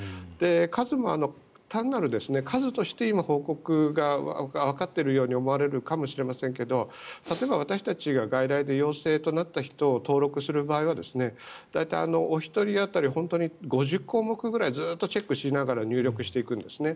数も、単なる数として今、報告がわかっているように思われますけど例えば、私たちが外来で陽性となった人を登録する場合は大体お一人当たり５０項目ぐらいずっとチェックしながら入力していくんですね。